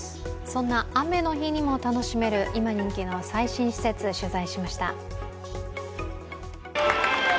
そんな雨の日にも楽しめる今人気の最新施設、取材しました。